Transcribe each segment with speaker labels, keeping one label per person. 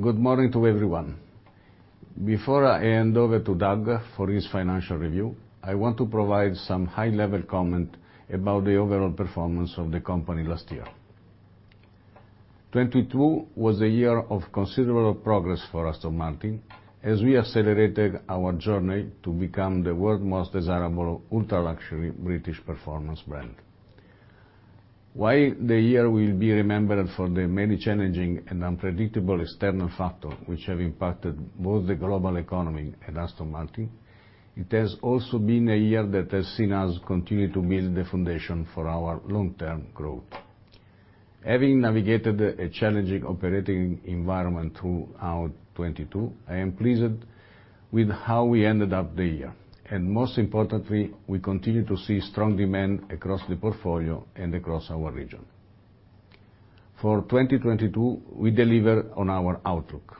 Speaker 1: Good morning to everyone. Before I hand over to Doug for his financial review, I want to provide some high-level comment about the overall performance of the company last year. 2022 was a year of considerable progress for Aston Martin, as we accelerated our journey to become the world most desirable ultra-luxury British performance brand. While the year will be remembered for the many challenging and unpredictable external factor which have impacted both the global economy and Aston Martin, it has also been a year that has seen us continue to build the foundation for our long-term growth. Having navigated a challenging operating environment throughout 2022, I am pleased with how we ended up the year. Most importantly, we continue to see strong demand across the portfolio and across our region. For 2022, we deliver on our outlook,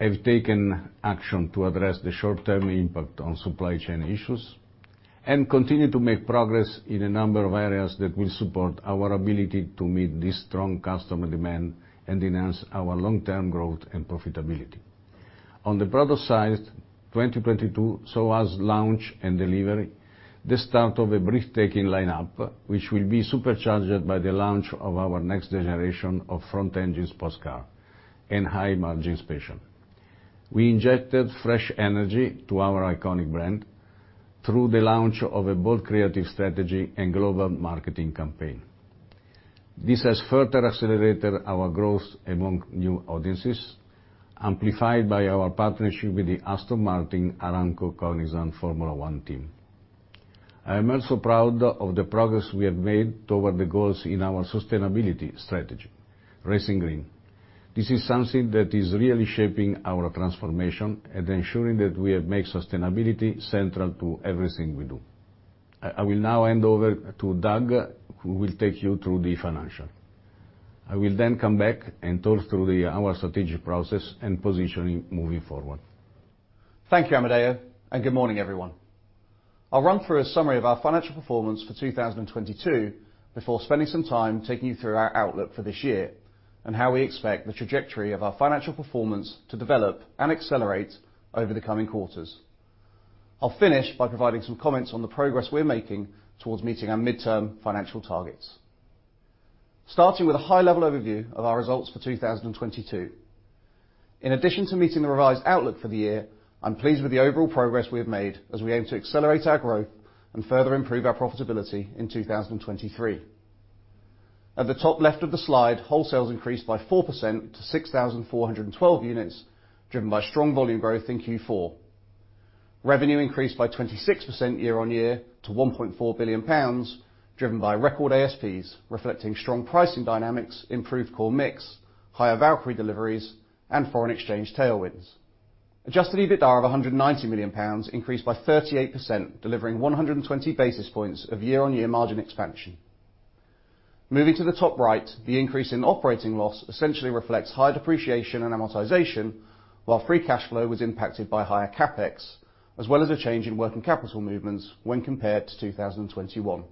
Speaker 1: have taken action to address the short-term impact on supply chain issues, and continue to make progress in a number of areas that will support our ability to meet this strong customer demand and enhance our long-term growth and profitability. The product side, 2022 saw us launch and deliver the start of a breathtaking lineup, which will be supercharged by the launch of our next generation of front-engines sports car and high-margin special. We injected fresh energy to our iconic brand through the launch of a bold creative strategy and global marketing campaign. This has further accelerated our growth among new audiences, amplified by our partnership with the Aston Martin Aramco Cognizant Formula One team. I am also proud of the progress we have made toward the goals in our sustainability strategy, Racing. Green. This is something that is really shaping our transformation and ensuring that we have made sustainability central to everything we do. I will now hand over to Doug, who will take you through the financial. I will then come back and talk through our strategic process and positioning moving forward.
Speaker 2: Thank you, Amedeo, and good morning, everyone. I'll run through a summary of our financial performance for 2022 before spending some time taking you through our outlook for this year and how we expect the trajectory of our financial performance to develop and accelerate over the coming quarters. I'll finish by providing some comments on the progress we're making towards meeting our midterm financial targets. Starting with a high-level overview of our results for 2022. In addition to meeting the revised outlook for the year, I'm pleased with the overall progress we have made as we aim to accelerate our growth and further improve our profitability in 2023. At the top left of the slide, wholesales increased by 4% to 6,412 units, driven by strong volume growth in Q4. Revenue increased by 26% year-on-year to 1.4 billion pounds, driven by record ASPs, reflecting strong pricing dynamics, improved core mix, higher Valkyrie deliveries, and foreign exchange tailwinds. Adjusted EBITDA of 190 million pounds increased by 38%, delivering 120 basis points of year-on-year margin expansion. Moving to the top right, the increase in operating loss essentially reflects higher depreciation and amortization, while free cash flow was impacted by higher CapEx, as well as a change in working capital movements when compared to 2021.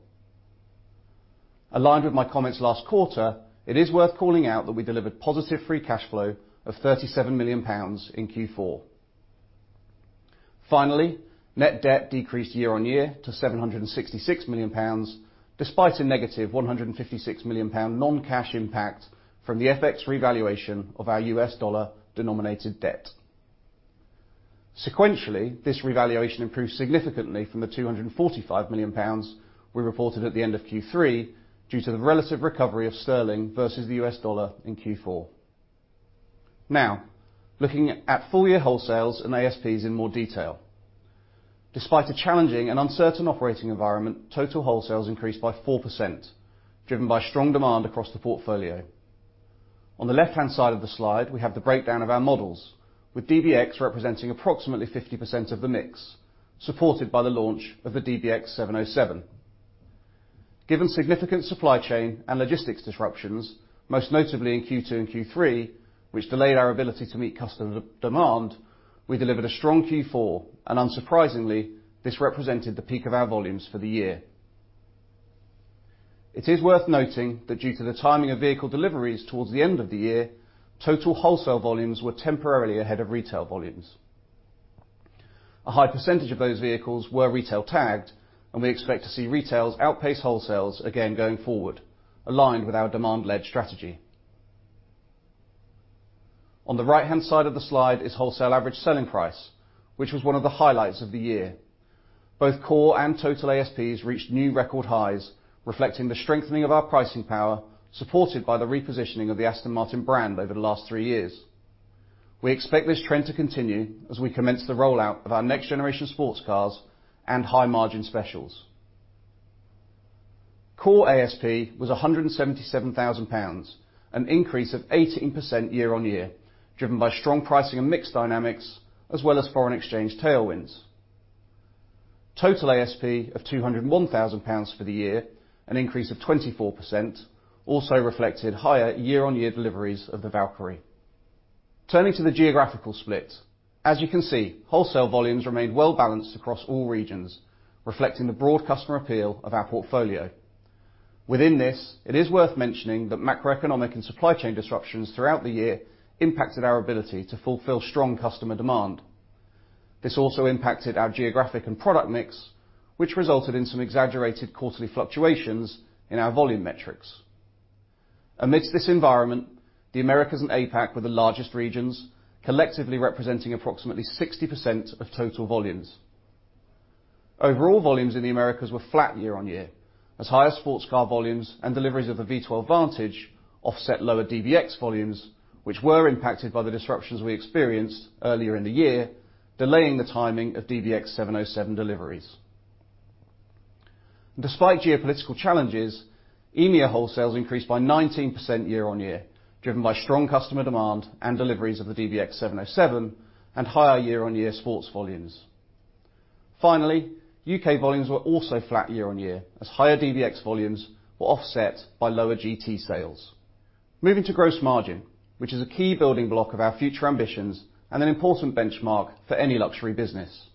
Speaker 2: Aligned with my comments last quarter, it is worth calling out that we delivered positive free cash flow of 37 million pounds in Q4. Net debt decreased year-on-year to 766 million pounds, despite a negative 156 million pound non-cash impact from the FX revaluation of our U.S. dollar-denominated debt. Sequentially, this revaluation improved significantly from 245 million pounds we reported at the end of Q3 due to the relative recovery of sterling versus the U.S. dollar in Q4. Now, looking at full year wholesales and ASPs in more detail. Despite a challenging and uncertain operating environment, total wholesales increased by 4%, driven by strong demand across the portfolio. On the left-hand side of the slide, we have the breakdown of our models, with DBX representing approximately 50% of the mix, supported by the launch of the DBX707. Given significant supply chain and logistics disruptions, most notably in Q2 and Q3, which delayed our ability to meet customer demand, we delivered a strong Q4, and unsurprisingly, this represented the peak of our volumes for the year. It is worth noting that due to the timing of vehicle deliveries towards the end of the year, total wholesale volumes were temporarily ahead of retail volumes. A high percentage of those vehicles were retail tagged, and we expect to see retails outpace wholesales again going forward, aligned with our demand led strategy. On the right-hand side of the slide is wholesale average selling price, which was one of the highlights of the year. Both core and total ASPs reached new record highs, reflecting the strengthening of our pricing power, supported by the repositioning of the Aston Martin brand over the last three years. We expect this trend to continue as we commence the rollout of our next generation sports cars and high-margin specials. Core ASP was 177,000 pounds, an increase of 18% year-on-year, driven by strong pricing and mix dynamics as well as foreign exchange tailwinds. Total ASP of 201,000 pounds for the year, an increase of 24%, also reflected higher year-on-year deliveries of the Valkyrie. Turning to the geographical split. As you can see, wholesale volumes remained well-balanced across all regions, reflecting the broad customer appeal of our portfolio. Within this, it is worth mentioning that macroeconomic and supply chain disruptions throughout the year impacted our ability to fulfill strong customer demand. This also impacted our geographic and product mix, which resulted in some exaggerated quarterly fluctuations in our volume metrics. Amidst this environment, the Americas and APAC were the largest regions, collectively representing approximately 60% of total volumes. Overall volumes in the Americas were flat year-on-year, as higher sports car volumes and deliveries of the V12 Vantage offset lower DBX volumes, which were impacted by the disruptions we experienced earlier in the year, delaying the timing of DBX707 deliveries. Despite geopolitical challenges, EMEA wholesales increased by 19% year-on-year, driven by strong customer demand and deliveries of the DBX707 and higher year-on-year sports volumes. Finally, U.K. volumes were also flat year-on-year as higher DBX volumes were offset by lower GT sales. Moving to gross margin, which is a key building block of our future ambitions and an important benchmark for any luxury business.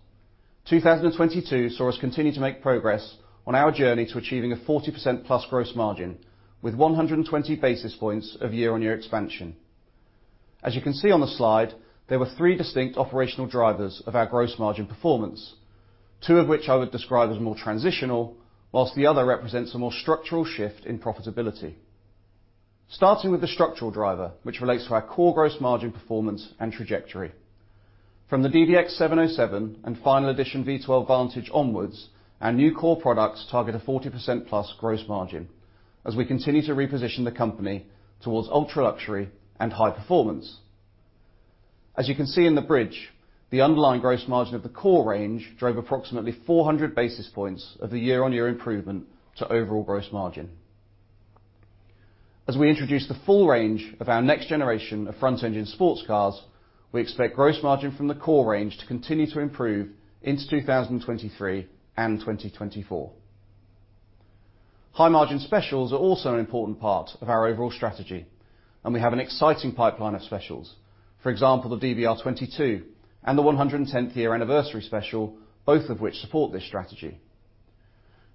Speaker 2: 2022 saw us continue to make progress on our journey to achieving a 40%+ gross margin with 120 basis points of year-on-year expansion. As you can see on the slide, there were three distinct operational drivers of our gross margin performance. Two of which I would describe as more transitional, whilst the other represents a more structural shift in profitability. Starting with the structural driver, which relates to our core gross margin performance and trajectory. From the DBX707 and final edition V12 Vantage onwards, our new core products target a 40%+ gross margin as we continue to reposition the company towards ultra-luxury and high performance. As you can see in the bridge, the underlying gross margin of the core range drove approximately 400 basis points of the year-on-year improvement to overall gross margin. As we introduce the full range of our next generation of front-engine sports cars, we expect gross margin from the core range to continue to improve into 2023 and 2024. High-margin specials are also an important part of our overall strategy, and we have an exciting pipeline of specials. For example, the DBR22 and the 110th year anniversary special, both of which support this strategy.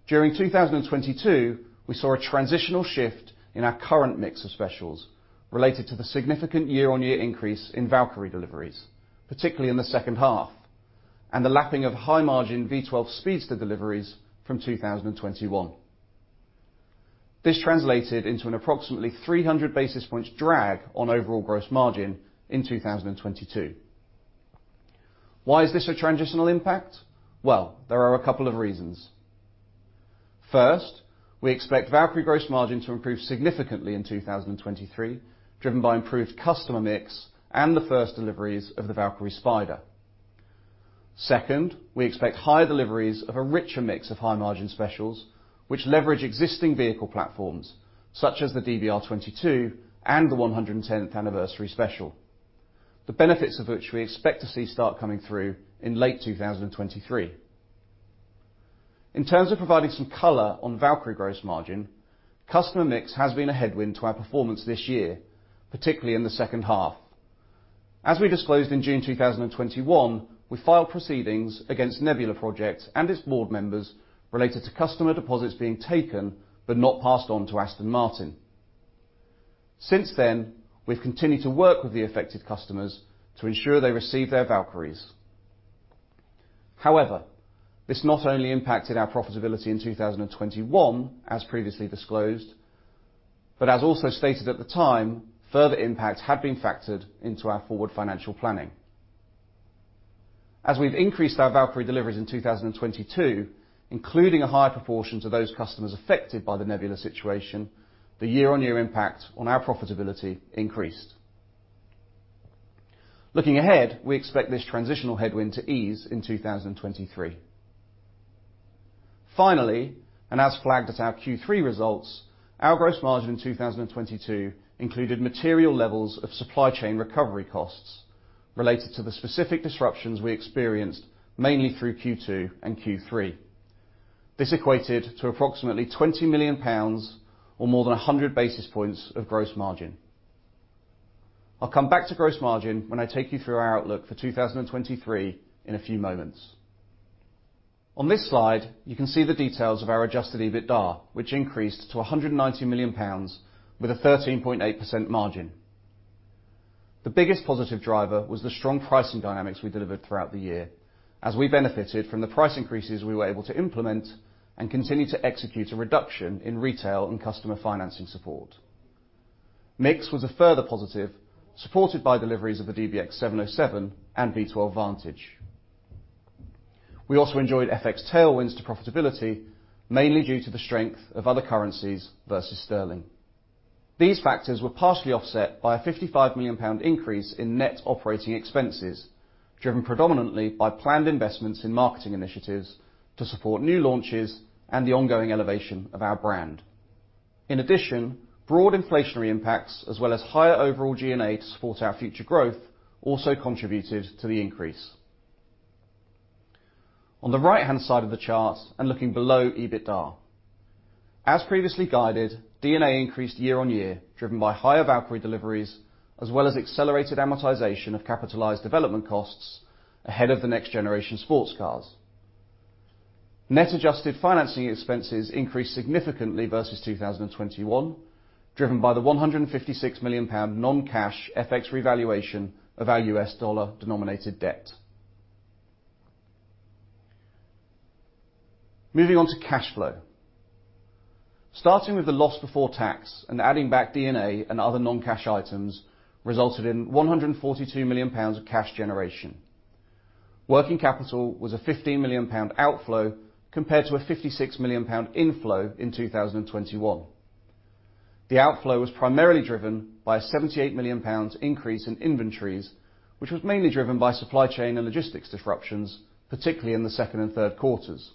Speaker 2: During 2022, we saw a transitional shift in our current mix of specials related to the significant year-on-year increase in Valkyrie deliveries, particularly in the second half, and the lapping of high-margin V12 Speedster deliveries from 2021. This translated into an approximately 300 basis points drag on overall gross margin in 2022. Why is this a transitional impact? Well, there are a couple of reasons. First, we expect Valkyrie gross margin to improve significantly in 2023, driven by improved customer mix and the first deliveries of the Valkyrie Spider. Second, we expect higher deliveries of a richer mix of high-margin specials, which leverage existing vehicle platforms such as the DBR22 and the 110th anniversary special. The benefits of which we expect to see start coming through in late 2023. In terms of providing some color on Valkyrie gross margin, customer mix has been a headwind to our performance this year, particularly in the second half. As we disclosed in June 2021, we filed proceedings against Nebula Project and its board members related to customer deposits being taken but not passed on to Aston Martin. Since then, we've continued to work with the affected customers to ensure they receive their Valkyries. However, this not only impacted our profitability in 2021, as previously disclosed, but as also stated at the time, further impacts had been factored into our forward financial planning. As we've increased our Valkyrie deliveries in 2022, including a higher proportion to those customers affected by the Nebula situation, the year-on-year impact on our profitability increased. Looking ahead, we expect this transitional headwind to ease in 2023. Finally, and as flagged at our Q3 results, our gross margin in 2022 included material levels of supply chain recovery costs related to the specific disruptions we experienced mainly through Q2 and Q3. This equated to approximately 20 million pounds or more than 100 basis points of gross margin. I'll come back to gross margin when I take you through our outlook for 2023 in a few moments. On this slide, you can see the details of our adjusted EBITDA, which increased to 190 million pounds with a 13.8% margin. The biggest positive driver was the strong pricing dynamics we delivered throughout the year as we benefited from the price increases we were able to implement and continue to execute a reduction in retail and customer financing support. Mix was a further positive, supported by deliveries of the DBX707 and V12 Vantage. We also enjoyed FX tailwinds to profitability, mainly due to the strength of other currencies versus sterling. These factors were partially offset by a 55 million pound increase in net operating expenses, driven predominantly by planned investments in marketing initiatives to support new launches and the ongoing elevation of our brand. In addition, broad inflationary impacts, as well as higher overall G&A to support our future growth, also contributed to the increase. On the right-hand side of the chart and looking below EBITDA. As previously guided, D&A increased year on year, driven by higher Valkyrie deliveries, as well as accelerated amortization of capitalized development costs ahead of the next generation sports cars. Net adjusted financing expenses increased significantly versus 2021, driven by the 156 million pound non-cash FX revaluation of our U.S. dollar-denominated debt. Moving on to cash flow. Starting with the loss before tax and adding back D&A and other non-cash items resulted in 142 million pounds of cash generation. Working capital was a 15 million pound outflow compared to a 56 million pound inflow in 2021. The outflow was primarily driven by a 78 million pounds increase in inventories, which was mainly driven by supply chain and logistics disruptions, particularly in the second and third quarters.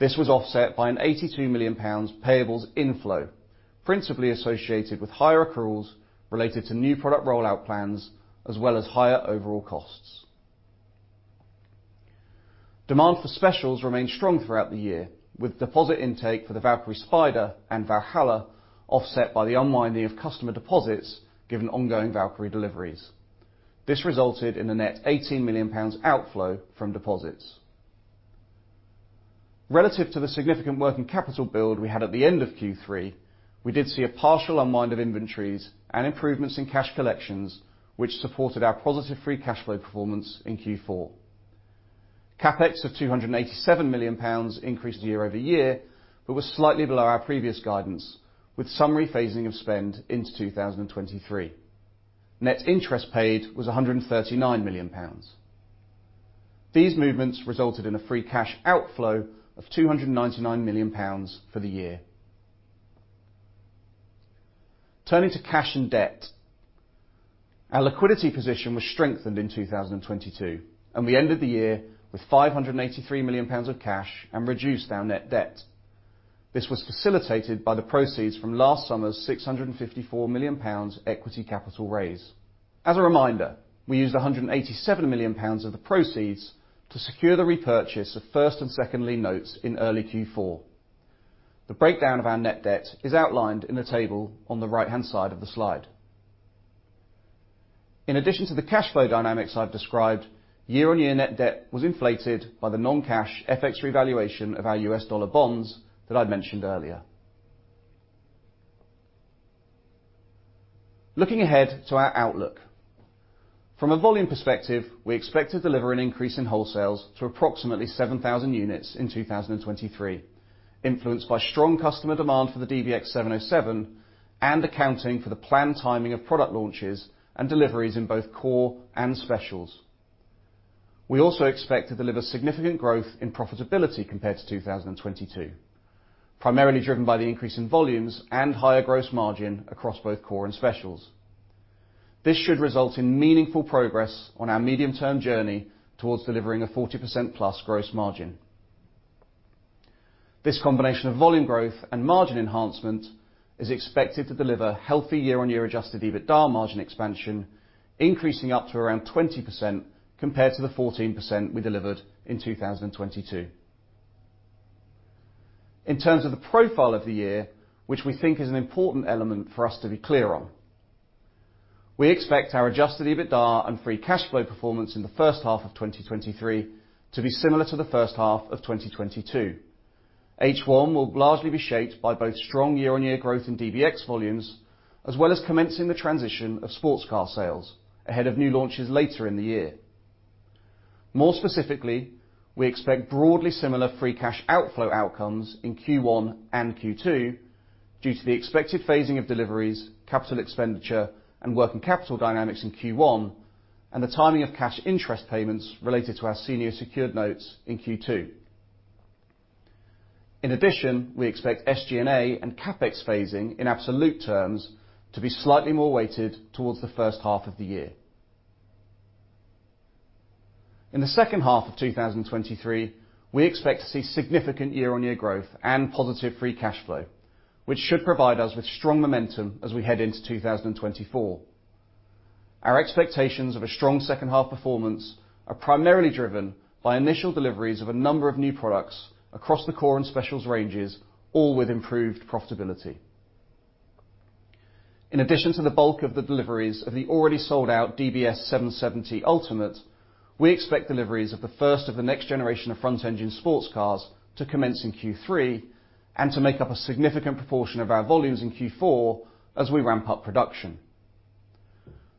Speaker 2: This was offset by a 82 million pounds payables inflow, principally associated with higher accruals related to new product rollout plans as well as higher overall costs. Demand for specials remained strong throughout the year, with deposit intake for the Valkyrie Spider and Valhalla offset by the unwinding of customer deposits, given ongoing Valkyrie deliveries. This resulted in a net 18 million pounds outflow from deposits. Relative to the significant working capital build we had at the end of Q3, we did see a partial unwind of inventories and improvements in cash collections, which supported our positive free cash flow performance in Q4. CapEx of 287 million pounds increased year-over-year, but was slightly below our previous guidance, with some rephasing of spend into 2023. Net interest paid was 139 million pounds. These movements resulted in a free cash outflow of 299 million pounds for the year. Turning to cash and debt. Our liquidity position was strengthened in 2022, and we ended the year with 583 million pounds of cash and reduced our net debt. This was facilitated by the proceeds from last summer's 654 million pounds equity capital raise. As a reminder, we used 187 million pounds of the proceeds to secure the repurchase of first and second lien notes in early Q4. The breakdown of our net debt is outlined in the table on the right-hand side of the slide. In addition to the cash flow dynamics I've described, year-on-year net debt was inflated by the non-cash FX revaluation of our U.S. dollar bonds that I mentioned earlier. Looking ahead to our outlook. From a volume perspective, we expect to deliver an increase in wholesales to approximately 7,000 units in 2023, influenced by strong customer demand for the DBX707 and accounting for the planned timing of product launches and deliveries in both core and specials. We also expect to deliver significant growth in profitability compared to 2022, primarily driven by the increase in volumes and higher gross margin across both core and specials. This should result in meaningful progress on our medium-term journey towards delivering a 40%+ gross margin. This combination of volume growth and margin enhancement is expected to deliver healthy year-on-year adjusted EBITDA margin expansion, increasing up to around 20% compared to the 14% we delivered in 2022. In terms of the profile of the year, which we think is an important element for us to be clear on, we expect our adjusted EBITDA and free cash flow performance in the first half of 2023 to be similar to the first half of 2022. H1 will largely be shaped by both strong year-on-year growth in DBX volumes, as well as commencing the transition of sports car sales ahead of new launches later in the year. More specifically, we expect broadly similar free cash outflow outcomes in Q1 and Q2 due to the expected phasing of deliveries, capital expenditure and working capital dynamics in Q1 and the timing of cash interest payments related to our senior secured notes in Q2. In addition, we expect SG&A and CapEx phasing in absolute terms to be slightly more weighted towards the first half of the year. In the second half of 2023, we expect to see significant year-on-year growth and positive free cash flow, which should provide us with strong momentum as we head into 2024. Our expectations of a strong second half performance are primarily driven by initial deliveries of a number of new products across the core and specials ranges, all with improved profitability. In addition to the bulk of the deliveries of the already sold-out DBS 770 Ultimate, we expect deliveries of the first of the next generation of front-engine sports cars to commence in Q3 and to make up a significant proportion of our volumes in Q4 as we ramp up production.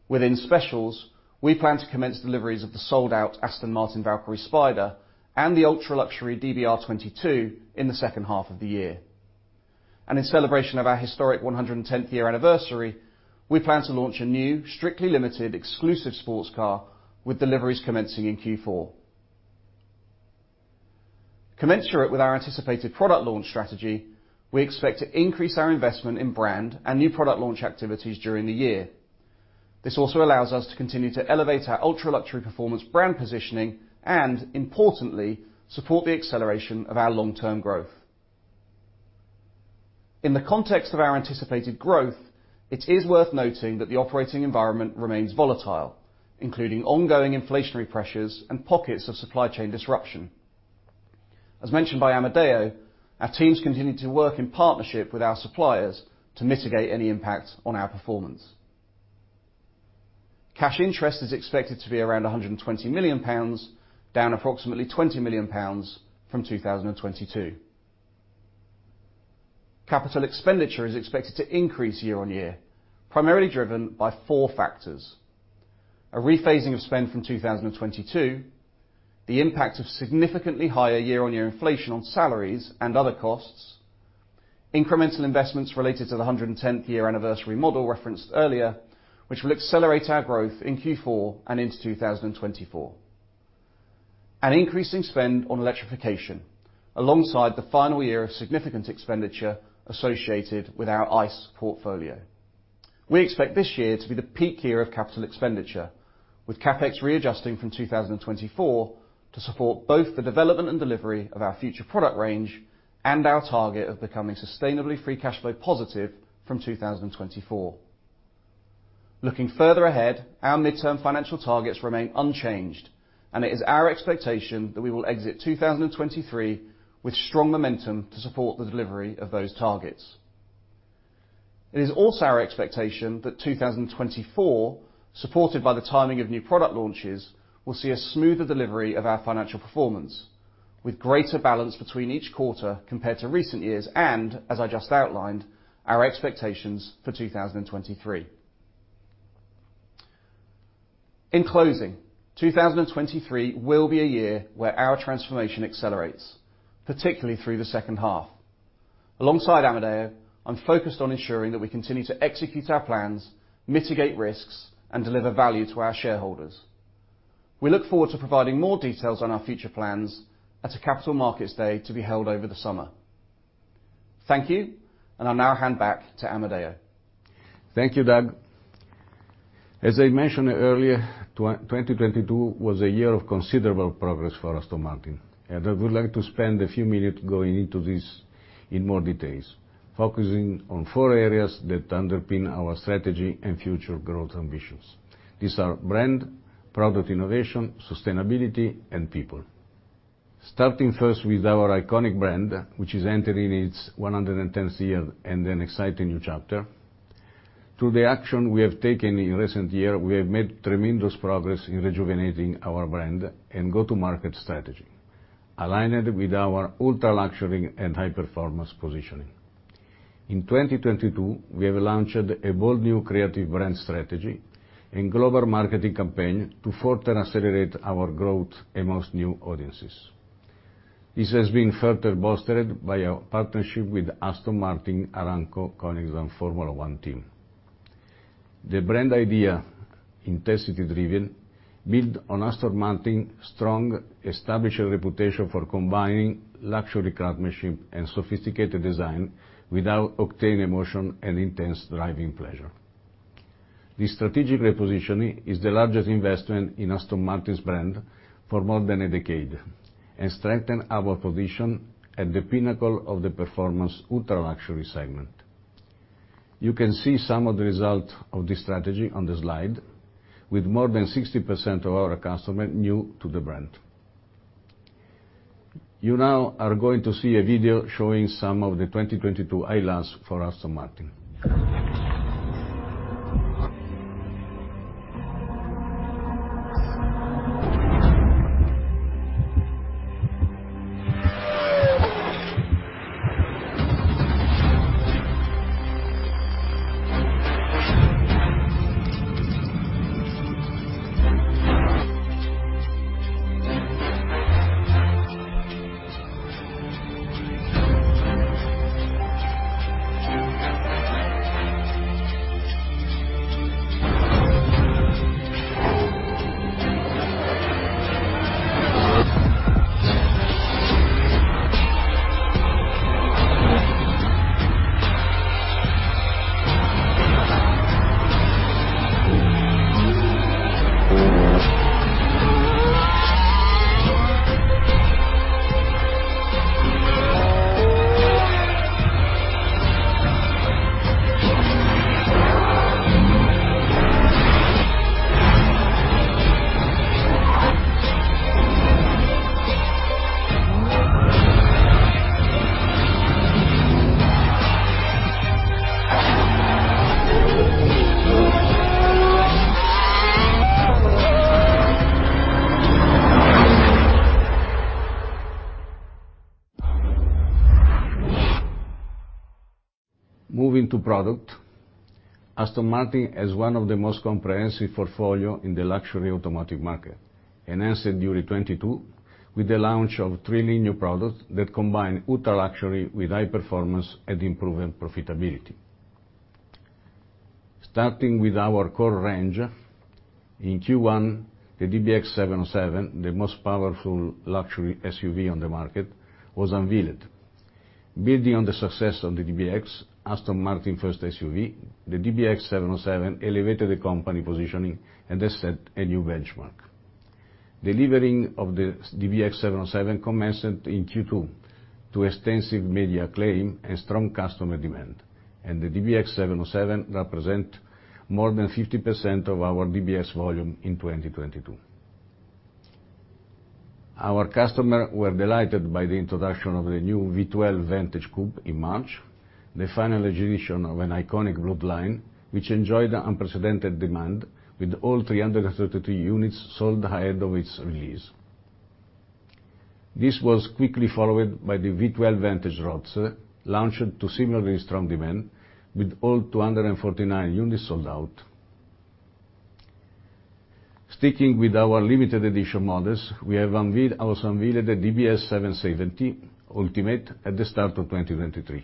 Speaker 2: Within specials, we plan to commence deliveries of the sold-out Aston Martin Valkyrie Spider and the ultra-luxury DBR22 in the second half of the year. In celebration of our historic 110th year anniversary, we plan to launch a new, strictly limited exclusive sports car with deliveries commencing in Q4. Commensurate with our anticipated product launch strategy, we expect to increase our investment in brand and new product launch activities during the year. This also allows us to continue to elevate our ultra-luxury performance brand positioning and, importantly, support the acceleration of our long-term growth. In the context of our anticipated growth, it is worth noting that the operating environment remains volatile, including ongoing inflationary pressures and pockets of supply chain disruption. As mentioned by Amedeo, our teams continue to work in partnership with our suppliers to mitigate any impact on our performance. Cash interest is expected to be around 120 million pounds, down approximately 20 million pounds from 2022. Capital expenditure is expected to increase year-on-year, primarily driven by four factors. A rephasing of spend from 2022, the impact of significantly higher year-on-year inflation on salaries and other costs, incremental investments related to the 110th year anniversary model referenced earlier, which will accelerate our growth in Q4 and into 2024. An increasing spend on electrification, alongside the final year of significant expenditure associated with our ICE portfolio. We expect this year to be the peak year of capital expenditure, with CapEx readjusting from 2024 to support both the development and delivery of our future product range and our target of becoming sustainably free cash flow positive from 2024. Looking further ahead, our midterm financial targets remain unchanged, and it is our expectation that we will exit 2023 with strong momentum to support the delivery of those targets. It is also our expectation that 2024, supported by the timing of new product launches, will see a smoother delivery of our financial performance with greater balance between each quarter compared to recent years and, as I just outlined, our expectations for 2023. In closing, 2023 will be a year where our transformation accelerates, particularly through the second half. Alongside Amedeo, I'm focused on ensuring that we continue to execute our plans, mitigate risks, and deliver value to our shareholders. We look forward to providing more details on our future plans at a Capital Markets Day to be held over the summer. Thank you, and I'll now hand back to Amedeo.
Speaker 1: Thank you, Doug. As I mentioned earlier, 2022 was a year of considerable progress for Aston Martin, and I would like to spend a few minutes going into this in more details, focusing on four areas that underpin our strategy and future growth ambitions. These are brand, product innovation, sustainability, and people. Starting first with our iconic brand, which is entering its 110th year and an exciting new chapter. Through the action we have taken in recent year, we have made tremendous progress in rejuvenating our brand and go-to-market strategy, aligned with our ultra-luxury and high-performance positioning. In 2022, we have launched a bold new creative brand strategy and global marketing campaign to further accelerate our growth amongst new audiences. This has been further bolstered by our partnership with Aston Martin Aramco Cognizant Formula One Team. The brand idea, Intensity. Driven., build on Aston Martin strong established reputation for combining luxury craftsmanship and sophisticated design with our high-octane emotion and intense driving pleasure. This strategic repositioning is the largest investment in Aston Martin's brand for more than a decade. Strengthen our position at the pinnacle of the performance ultra-luxury segment. You can see some of the results of this strategy on the slide with more than 60% of our customers new to the brand. You now are going to see a video showing some of the 2022 highlights for Aston Martin. Moving to product, Aston Martin has one of the most comprehensive portfolio in the luxury automotive market, enhanced during 2022 with the launch of three new products that combine ultra-luxury with high performance and improved profitability. Starting with our core range, in Q1, the DBX707, the most powerful luxury SUV on the market, was unveiled. Building on the success of the DBX, Aston Martin first SUV, the DBX707 elevated the company positioning and has set a new benchmark. Delivering of the DBX707 commenced in Q2 to extensive media acclaim and strong customer demand, the DBX707 represent more than 50% of our DBX volume in 2022. Our customer were delighted by the introduction of the new V12 Vantage coupe in March, the final edition of an iconic bloodline, which enjoyed unprecedented demand with all 333 units sold ahead of its release. This was quickly followed by the V12 Vantage Roadster, launched to similarly strong demand with all 249 units sold out. Sticking with our limited edition models, we also unveiled the DBS 770 Ultimate at the start of 2023,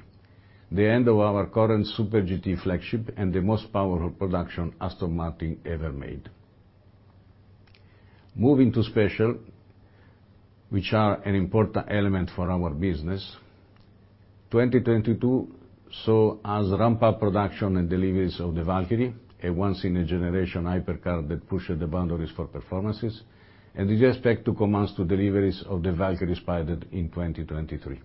Speaker 1: the end of our current Super GT flagship and the most powerful production Aston Martin ever made. Moving to special, which are an important element for our business, 2022 saw us ramp up production and deliveries of the Valkyrie, a once-in-a-generation hypercar that pushes the boundaries for performances, we expect to commence to deliveries of the Valkyrie Spider in 2023.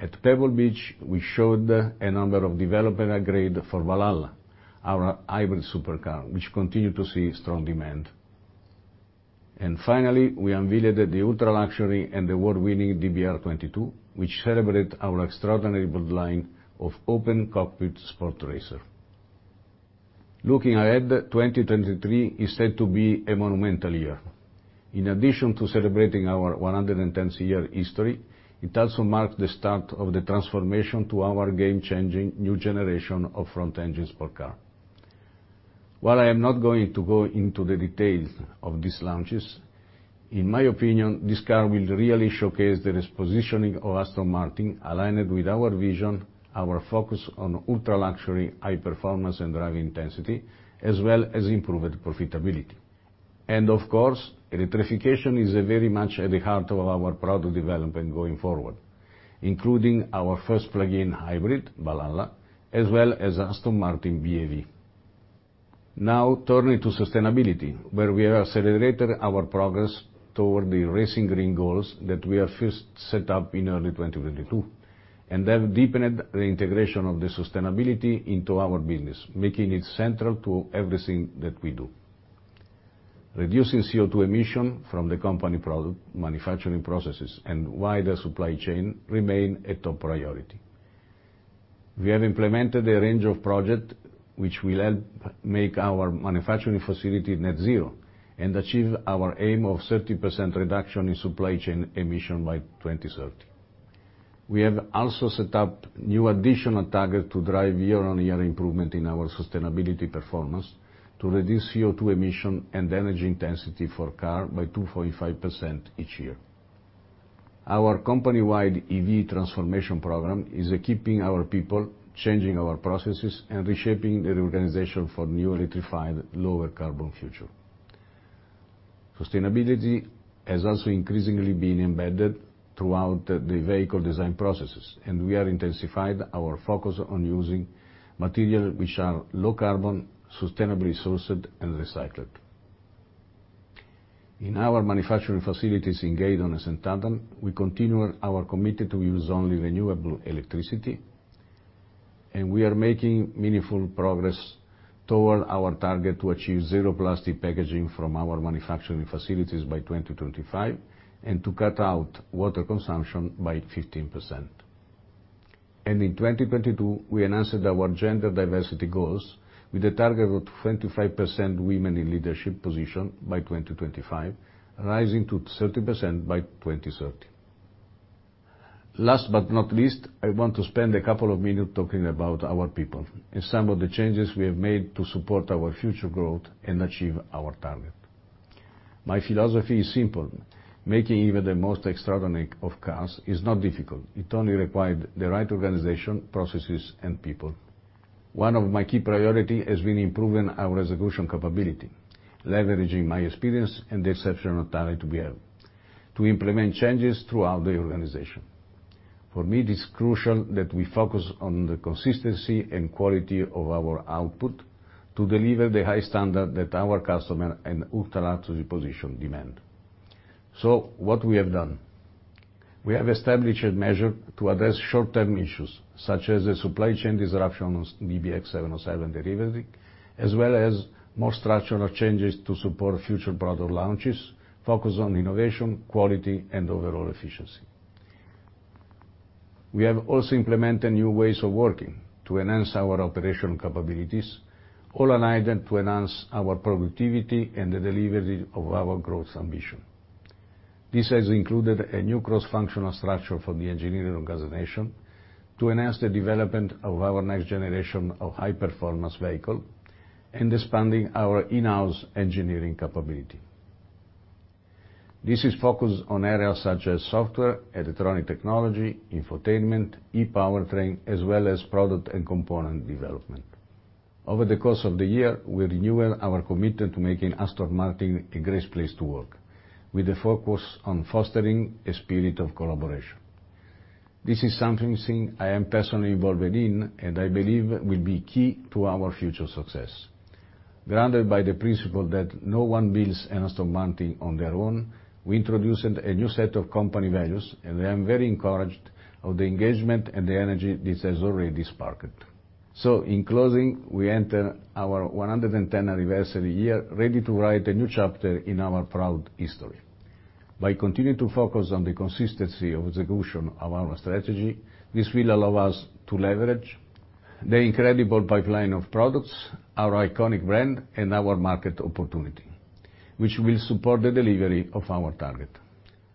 Speaker 1: At Pebble Beach, we showed a number of development prototype for Valhalla, our hybrid supercar, which continue to see strong demand. Finally, we unveiled the ultra-luxury and award-winning DBR22, which celebrate our extraordinary bloodline of open cockpit sport racer. Looking ahead, 2023 is set to be a monumental year. In addition to celebrating our 110th year history, it also marks the start of the transformation to our game-changing new generation of front-engine sports car. While I am not going to go into the details of these launches, in my opinion, this car will really showcase the repositioning of Aston Martin aligned with our vision, our focus on ultra-luxury, high performance, and drive intensity, as well as improved profitability. Of course, electrification is very much at the heart of our product development going forward, including our first plug-in hybrid, Valhalla, as well as Aston Martin BEV. Turning to sustainability, where we have accelerated our progress toward the Racing. Green goals that we have first set up in early 2022, and have deepened the integration of the sustainability into our business, making it central to everything that we do. Reducing CO2 emission from the company product manufacturing processes and wider supply chain remain a top priority. We have implemented a range of project which will help make our manufacturing facility net zero and achieve our aim of 30% reduction in supply chain emission by 2030. We have also set up new additional target to drive year-on-year improvement in our sustainability performance to reduce CO2 emission and energy intensity for car by 2.5% each year. Our company-wide EV transformation program is equipping our people, changing our processes, and reshaping the organization for new electrified lower carbon future. Sustainability has also increasingly been embedded throughout the vehicle design processes, and we are intensified our focus on using material which are low carbon, sustainably sourced, and recycled. In our manufacturing facilities in Gaydon and St Athan, we continue our commitment to use only renewable electricity, and we are making meaningful progress toward our target to achieve zero plastic packaging from our manufacturing facilities by 2025, and to cut out water consumption by 15%. In 2022, we announced our gender diversity goals with a target of 25% women in leadership position by 2025, rising to 30% by 2030. Last but not least, I want to spend a couple of minutes talking about our people and some of the changes we have made to support our future growth and achieve our target. My philosophy is simple: Making even the most extraordinary of cars is not difficult. It only requires the right organization, processes, and people. One of my key priority has been improving our execution capability, leveraging my experience and the exceptional talent we have to implement changes throughout the organization. For me, it is crucial that we focus on the consistency and quality of our output to deliver the high standard that our customer and ultra-luxury position demand. What we have done. We have established a measure to address short-term issues, such as the supply chain disruptions, DBX707 derivative, as well as more structural changes to support future product launches, focus on innovation, quality, and overall efficiency. We have also implemented new ways of working to enhance our operational capabilities, all aligned to enhance our productivity and the delivery of our growth ambition. This has included a new cross-functional structure for the engineering organization to enhance the development of our next generation of high-performance vehicle and expanding our in-house engineering capability. This is focused on areas such as Software & Electronics Technology, Infotainment, e-powertrain, as well as Product & Component Development. Over the course of the year, we renewed our commitment to making Aston Martin a great place to work, with a focus on fostering a spirit of collaboration. This is something I am personally involved in, and I believe will be key to our future success. Granted by the principle that no one builds an Aston Martin on their own, we introduced a new set of company values, and I am very encouraged of the engagement and the energy this has already sparked. In closing, we enter our one hundred and tenth anniversary year ready to write a new chapter in our proud history. By continuing to focus on the consistency of execution of our strategy, this will allow us to leverage the incredible pipeline of products, our iconic brand, and our market opportunity, which will support the delivery of our target.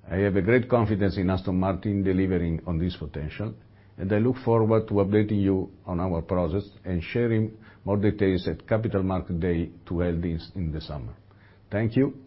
Speaker 1: I have great confidence in Aston Martin delivering on this potential, and I look forward to updating you on our progress and sharing more details at Capital Markets Day to hold this in the summer. Thank you.